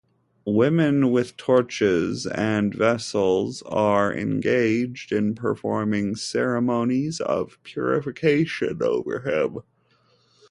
Women with torches and vessels are engaged in performing ceremonies of purification over him.